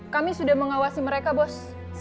kami sudah mengawasi mereka bos